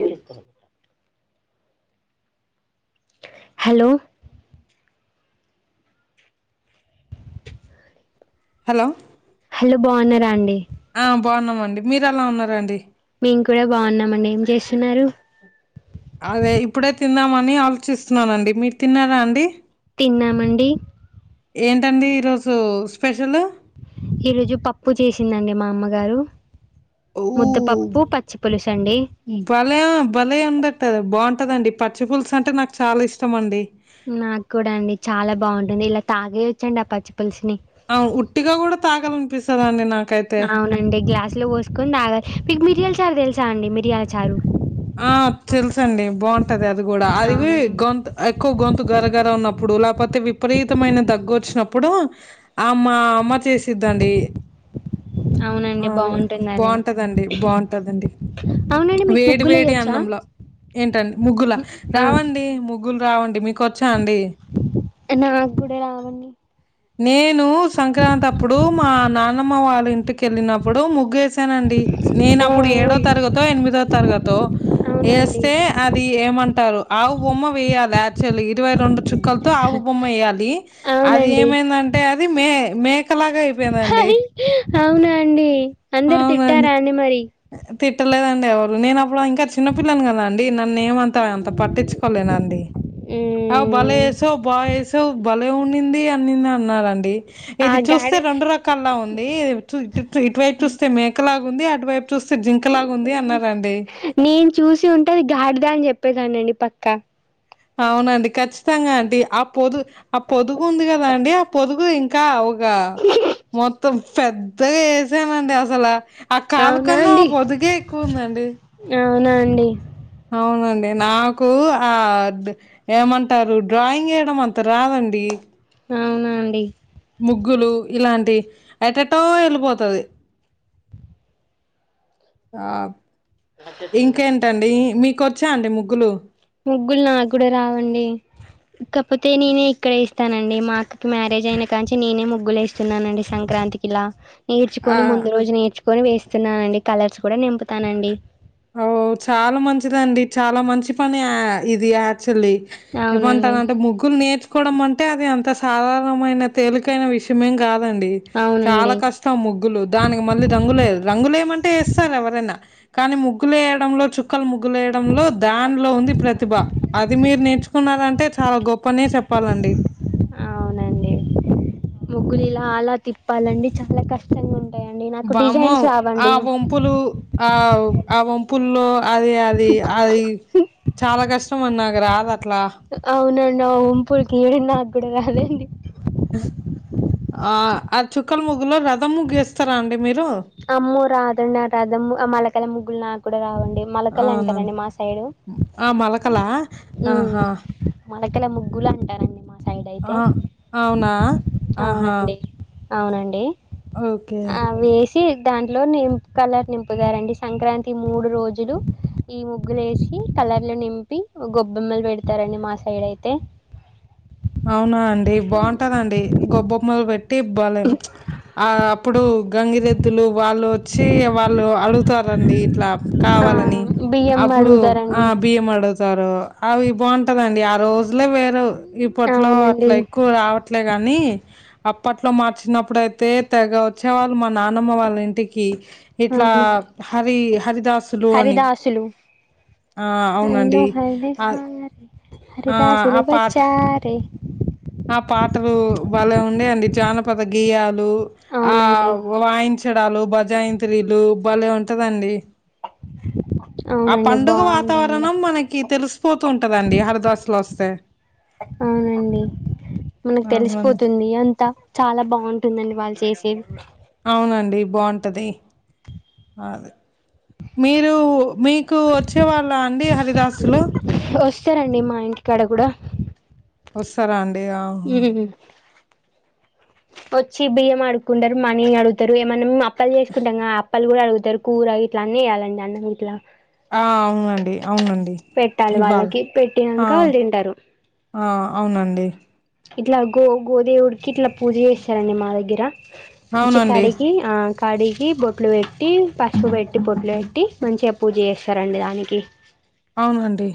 ఏం చేత్తన్నవ్ hello hello hello బాగున్నారా అండి ఆ బాగున్నామండి మీరు ఎలా ఉన్నా రాండి మేం కూడా బాగున్నామండి ఏం చేస్తున్నారు అదే ఇప్పుడే తిందామని ఆలోచిస్తున్నానండి మీరు తిన్నారా అండి తిన్నామండి ఏంటండి ఈరోజు స్పెషల్ ఈరోజు పప్పు చేసిందండి మా అమ్మగారు ముద్దపప్పు పచ్చి పులుసు అండి భలే భలే ఉండింటాది బాగుంటదండి పచ్చి పులుసు అంటే నాకు చాలా ఇష్టం అండి నాకు కూడా అండి చాలా బాగుంటుంది ఇలా తాగెయచ్చు అండి ఆ పచ్చి పులుసుని ఆ ఉట్టిగా కూడా తాగాలనిపిస్తదండి నాకైతే అవునండి గ్లాస్ లో పోసుకొని తగాలి మీకు మిరియాల మిరియాలు తెలుసా అండి మిరియాల చారు ఆ తెలుసండి బాగుంటా ఉంటది అది కూడా అది అవును గొంతు ఎక్కువ గొంతు గరగర ఉన్నప్పుడు లేకపోతే విపరీతమైన దగ్గు వచ్చినప్పుడు ఆమ్ మా అమ్మ చేసిద్దు అండి ఆ అవునండి అదే బాగుంటుంది అది బాగుంటదండి బాగుంటదండి అవునండి మీకు వేడి ముగ్గులు వేడి వేయొచ్చా అన్నంలో ఏంటండి ముగ్గుల ఆ రావండి ముగ్గులు రావండి మీకు వచ్చ అండి నాక్కూడా రావండి నేను సంక్రాంతి అప్పుడు మా నానమ్మ వాళ్ళ ఇంటికెళ్ళినప్పుడు ముగ్గేసి వేసానాండి నేను ఆ అప్పుడు ఏడో తరగతో ఎనిమిదో తరగతో అవునా అండి ఎస్తే అది ఏమంటారో ఆవు బొమ్మ వేయ్యాలి యాక్చువల్లీ ఇరవై రెండు చుక్కలతో ఆవు బొమ్మ వేయాలి అది అది అవునండి ఏమైందంటే అది మే మే మేక లాగ అయిపోయిందండి హాయ్ అవునా అండి అందరు అవునండి తిట్టారా అండి మరి తిట్టలేదండి ఎవరు నేను అప్పుడు ఇంకా చిన్నపిల్లని కదా అండి నన్ను ఏమంతా పట్టించుకోలేనండి అ బలే మ్మ్. వేసావ్ బాగ వేసావు బలే ఉన్నింది అని అన్నారండి ఆ ఇది చూస్తే గాడి రెండు రకాల్లా ఉంది ఇటువైపు చూస్తే మేకలాగా ఉంది అటువైపు చూస్తే జింక లాగా ఉంది అన్నారండి నేను చూసి ఉంటే అది గాడిద అని చెప్పేదాన్నండి పక్కా అవునండి ఖచ్చితంగా అండి ఆ పొదు ఆ పొదుగు ఉంది కదా అండి ఆ పొదుగు ఇంకా మొత్తం పెద్దగా ఏసానండి అసలు ఆ కాలు అవునా కన్నా అండి ఆ పొదుగే ఎక్కువ ఉందండి అవునా అండి అవునండి నాకు ఆ ఏమంటారు డ్రాయింగ్ వేయడం అంత రాదండి అవునా అండి ముగ్గులు ఇలాంటివి ఎటొటో వెళ్ళిపోతాయి వాట్ ఇంకేంటండి మీకొచ్చా అండి ముగ్గులు ముగ్గులు నాకు కూడా రావండి ఇకపోతే నేనే ఇక్కడే ఇస్తానండి మా అక్కకి మ్యారేజ్ అయిన కా నేనే ముగ్గులు వేస్తున్నానండి సంకర్ సంక్రాంతికిిలా ఆ నేర్చుకొని ముందు రోజు నేర్చుకొని వేస్తున్నానండి కలర్స్ కూడా నింపుతానండి అఓ చాలా మంచిదండి చాలా మంచి పని ఇది ల్లి అవునండి ఏమంటారంటే ముగ్గులు నేర్చుకోవడం అంట అంటే అది అంత సాధారణమైన తేలికైన విషయం కాదు దండి చాలా అవునండి కష్టం ముగ్గులు దానికి మళ్ళీ రంగులే రంగులేమంటే వస్తారు ఎవరైనా చక్కులేయడంలో చుక్కలు ముగ్గులేయడంలో దానిలో ఉంది ప్రతిభ అది మీరు నేర్చుకున్నారంటే చాలా గొప్పనే చెప్పాలండి అవునండి ముగ్గులు అవునండి ఇలా అలా తిప్పాలండి చాలా కష్టంగా ఉ బామ్మ ఆ వంపులు ఆ ఆ వంపుల్లో అది అది అది చాలా కష్టం అని నాకు రాదు అట్లా అవునండి అవు ఓంపులకినాకు కూడా రాధండి ఆ ఆ చుక్కల ముగ్గులో రథం ముగ్గేస్తారా అండి మీరు అమ్మ రాద నా రాదమ్ మలకల్ ముగ్గులు నాకు కూడా రావండి మలకల్ అవునవును అంటారండి మా సైడు ఆ మలకలా ఆహా మనకలో ముగ్గులు అంటారండి మా సైడ్ అయితే ఆ అవునా ఆహా అవునండి అవునండి ఓకే ఆ వేసి దాంట్లో నిం కలర్ నింపుతారండి సంక్రాంతి మూడు రోజులు ఈ ముగ్గులు వేసి కలర్లు నింపి గొబ్బెమ్మలు పెడతారండి మా సైడ్ అయితే అవునా అండి బాగుంటదండి గొబ్బొమ్మలు పెట్టి ఇ బ్వలేం ఆ ఇప్పుడు గంగిరెద్దులు వాళ్ళు వచ్చి వాళ్ళు అడుగుతారండి ఇట్లా ఆ కావాలని బియ్యం అప్పుడు అడుగుతారండి ఆ బియ్యం అడుగుతారు అవి బాగుంటదండి ఆ రోజులే వేరే ఇప్పట్లో అవునండి అట్లా ఎక్కువ రావట్లే కానీ అప్పట్లో మార్చినప్పుడుయితే తెగ వచ్చేవాళ్ళు మా నానమ్మ వాళ్ళ ఇంటికి ఎట్లా అవునండి హరి హరిదాసులు అని హరిదాసులు ఆ హలో అవునండి హరిద ఆ హరి ఆ ఆ దాసులు పాట వచ్చారే ఆ పాటలు బలే ఉండేయండి జానపద గియా ఆ అవునండి వాయించడాలు బజాయింత్రీలు బలే ఉంటదండి ఆ అవునండి పండుగ బాగుంటుంది వాతావరణం మనకి తెలిసిపోతుూ ఉంటదండి హరిదసులో వస్తే అవునండి మనకు అవునండి. తెలిసిపోతుంది అంతా చాలా బాగుంటుందండి వాళ్ళు చేసేది అవునండి బాగుంటది అద మీరు మీకు వచ్చే వాళ్ళ అండి హరిదాసులో వస్తారండి మా ఇంటికాడ కడా వస్తారా అండి ఆహ వచ్చి బియ్యం ఆడుకుంటారు మనీ అడుగుతారు ఏమన్నా అప్పలు చేసుకుంటాం పళ్ళ కూడా అడుగుతారు కూర ఇట్లా అన్న వేయ్యాలండి అన్నం ఇట్లా ఆ అవునండి అవునండి పెట్టాలి ఇవ్వాల్ వాళ్ళకి ఆ పెట్టినాక వాళ్ళు తింటారు ఆ అవునండి ఇట్లా గో గోదేవుడికి ఇట్లా పూజ చేస్తారండి మా దగ్గర మంచి అవునండి. కడిగి ఆ కడిగి బొట్లు పెట్టి పసుపు పెట్టి బొట్లు పెట్టి మంచిగా పూజ జేస్తరండి దానికి అవునండి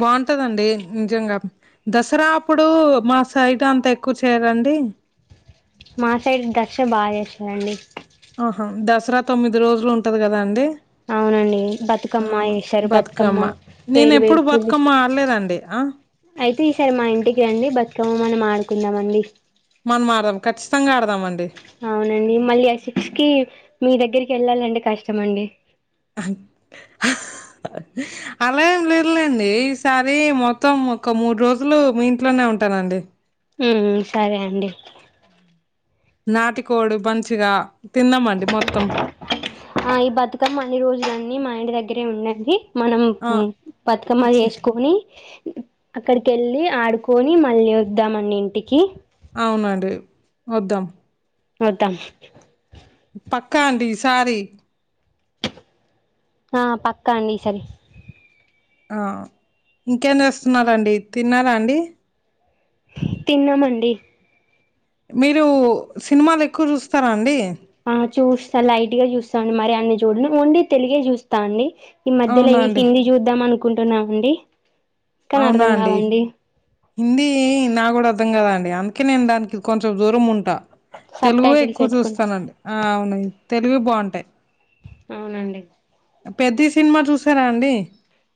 బాగుంటదండి నిజంగా దసరా అప్పుడు మా సైడ్ అంత ఎక్కువ చెయ్రండి మా సైడ్ దసరా బా జేస్తరండి ఆహా దసరా తొమ్మిది రోజలుంటది కదా అండి అవునండి బతుకమ్మ ఎసరు బతుకమ్మ నేను వేరు ఎప్పుడు వేరు పూల్ బతుకమ్మ తీస్కొచి ఆడలేదండి ఆ అయితే ఈసారి మా ఇంటికి రండి బతుకమ్మ మనం ఆడుకుందాం అండి మనం ఆడ్దం ఖచ్చితంగా ఆడుదాం అండి అవునండి మళ్ళీ ఆ సిక్స్ కి మీ దగ్గరికేళ్ళాలంటే కష్టమండి అహ్ అలా ఏం లేదులేండి ఈసారి మొత్తం ఒక మూడు రోజులు మీ ఇంట్లోనే ఉంటానండి మ్ సరే అండి నాటికోడి మంచిగా తిందామండి మొత్తం ఆ ఈ బతుకమ్మ అన్ని రోజులన్నీ మా ఇంటి దగ్గరే ఉండడి మనం ఆ మ్ బతుకమ్మ ఛీ! చేసుకోని అక్కడికేళ్ళి ఆడుకొని మళ్ళీ వద్దాం మనింటికి అవునండి వద్దాం ఒద్దాం పక్క అండి ఇసారి ఆ పక్క అండి ఇసారి ఆ ఇంకేం జేస్తున్నారండి తిన్నారా అండి తిన్నమండి మీరు సినిమాలు ఎక్కువ చూస్తారా అండి ఆ చూస్తా లైట్ గా చూస్తాన్ మరి అన్ని చూడను ఓన్లీ తెలుగే చూస్తా అండి ఈ మధ్యలో అవునా అండి హిందీ చూద్దాంమనుకుంటున్నామండి కానీ అవునా అర్థం అండి కాదండి హిందీ నాక్ కూడా అర్థం కదా అండి అందుకే నేను దానికి కొంచెం దూరం ఉంటా సబ్ తెలుగు టైటిల్స్ ఎక్కువ పెట్టుకుని చూస్తానండి ఆ అవునై తెలుగు బాగుంటాయ్ అవునండి పెద్ది సినిమా చూసారా అండి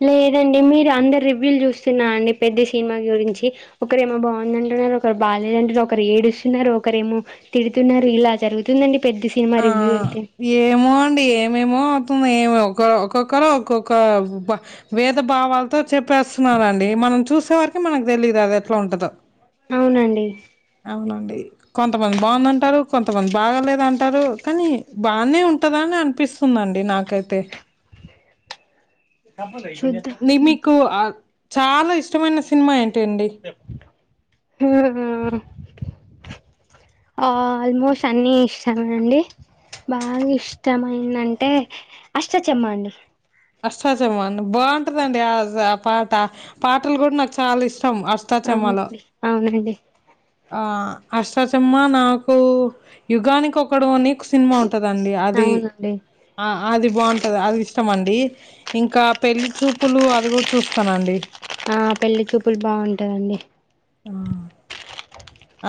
లేదండి మీరు అందర్ రివ్యూలు చూస్తున్నా అండి పెద్ది సినిమా గురించి ఒకరేమో బాగుందంన్ ఒకరు బాగాలేదంటర్ ఒకరు ఏడుస్తున్నారు ఒకరేమో తిడుతున్నారు ఇలా జరుగుతుందండి పెద్ద సినిమా ఆ రివ్యూ అయితే ఏమో అండి ఏమేమొ ఏ మ్ ఒక ఒక్కొక్కరు ఒక్కొక్క బ వేద భావాలతో చెప్పేస్తన్నారండి ఎమన్ మనం చూసే వరకి మనకు తెలీయదు అది ఎట్లా ఉంటదో అవునండి అవునండి కొంతమంది బాగుందంటారు కొంతమంది బాగలేదంట టరు కానీ బానే ఉంటదా అని అనిపిస్తుందండి నాకైతే చూద్దాం ని మీకు అ చాలా ఇష్టమైన సినిమా ఏంటి అండి హుమ్ ఆ ఆల్మోస్ట్ అన్నీ ఇష్టమే అండి బాగా ఇష్టమైందంటే అష్ట చెమ్మ అండి అష్టాచమ్మా బాగుంటదండి ఆ ఆ పాట పాటలు కూడా నాకు చాలా ఇష్ ష్టం అష్టాచమ్మాలో అవునండి అవునండి ఆ అష్టాచమ్మ నాకు యుగానికోక్కడుఅని సినిమా ఉం టండి అది అవునండి అది బాగుంటది అదిస్ ష్టమండి ఇంకా పెళ్లి చూపులు అది కూడా చూస్తానండి ఆ పెళ్లి చూపులు బాగుంటదండి ఆ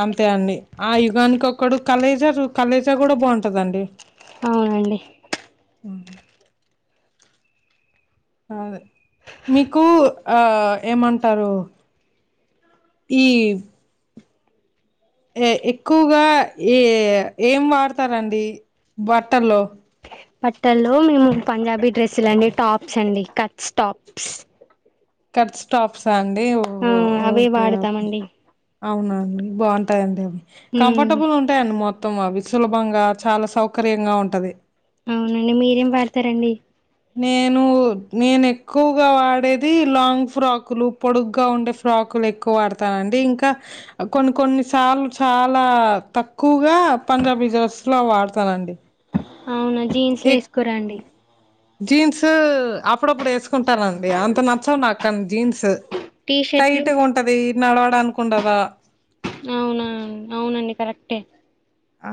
అంతే అండి ఆ యుగానికోక్కడు కలేజ జు కలేజా కూడా బాగుంటదండి అవునండి ఆ అదే మీకు అ ఏమంటారు ఈ ఏ ఎక్కువగా ఏ ఏం వాడుతారండి బట్టల్లో బట్టల్లో మేము పంజాబీ డ్రెస్సులు అండి టాప్స్ అండి కట్స్ టాప్స్ కట్ స్టాప్సా అండి ఆ ఓహో అవే ఓకే ఓకే వాడతామండి అవునండి బాగుంటాయిండి అవి ఉమ్ కంఫర్టబుల్ ఉంటాయిండి మొత్తం మొత్తం అవి సులభంగా చాలా సౌకర్యంగా ఉంటది అవునండి మీరేం పాడతారండి నేను నేను ఎక్కువగా వాడేది లాంగ్ ఫ్రాకులు పొడుగగా ఉండే ఫ్రాక్ ప్రాకులు ఎక్కువ వాడతానండి ఇంకా కొన్ని కొన్ని సార్లు చాలా తక్కువగా పంజాబి డ్రెస్ లో వాడతానండి అవునా జీన్స్ ఎక్ వేసుకురండి జీన్స్ అప్పుడప్పుడు వేసుకుంటానండి అంత నచ్చవు నా కాని జీన్స్ టీ షర్ట్లు టైట్గా ఉంటది నడవడానికి ఉండదు అవునా అవునండి కరెక్టే ఆ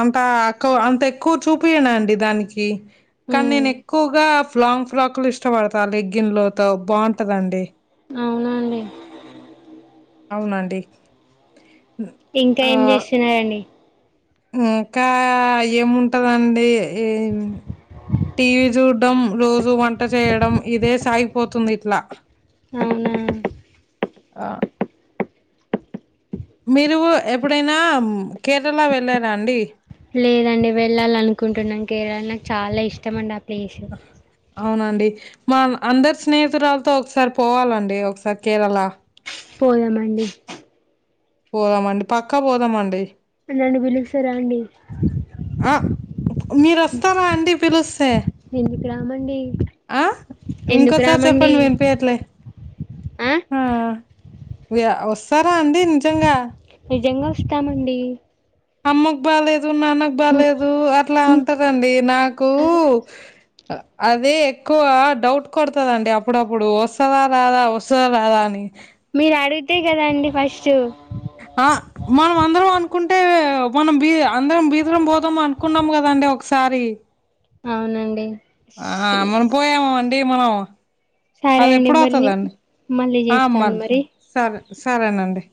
అంత అ అంత ఎక్కువ చూపించను అండి దానికి కానీ ఉమ్ నేను ఎక్కువ ఎక్కుగా ఫ్లాంగ్ ఫ్రాక్ లు ఇష్టపడతా లెగ్గిన్ లో త బాగుంటదండి అవునా అండి అవునండి ఇంకా ఆ ఏం చేస్తున్నారండి ఇంకా ఏముంటదండి టీవీ చూడ్డం రోజూ వంట చేయడం ఇదే సాగిపోతుంది ఇట్లా అవునా ఆ మీరు ఎప్పుడైనా కేరళ వెళ్ళారా అండి లేదండి వెళ్ళాలనుకుంటున్నాం కేరళ నాకు చాలా ఇష్టం అండి ఆ ప్లేసు అవునండి మా అందరు స్నేహితురాలతో ఒకసారి పోవాలండి ఒకసారి కేరళ పోదా మండి పోదామండి పక్కా పోదామండి నన్ను పిలుస్తారా అండి ఆ మీరు వస్తారా అండి పిలుస్త స్తే ఎందుకు రామండి ఆ ఎందుకు ఇంకోసారి రామండి చెప్పండి వినిపయట్లే ఆ వస్తారా అండి నిజంగా నిజంగా వస్తామండి అమ్మకు బాలేదు నాన్నకు బాలేదు అట్లా అంటారండి నాకు అదే ఎక్కువ డౌట్ కొడతదండి అప్పుడప్పుడు వస్తందా రాదా వస్తుందా రాదా అని మీరు అడిగితే కదాండి ఫస్ట్ ఆ మనం అందరం అనుకుంటే మనం బీ అందరం బీదరం పోదాం అనుకున్నాం కదా అండి ఒకసారి అవునండి ఆ మనం పోయామ అండి మనం సరే అది అండి మరి ఎప్పుడవుతుందండి మళ్ళీ ఆ మ చేస్తాను మరి సరే సరేనండి